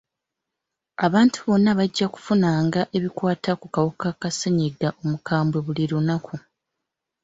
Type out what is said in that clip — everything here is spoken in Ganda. Abantu bonna bajja kufunanga ebikwata ku kawuka ka ssennyiga omukambwe buli lunaku.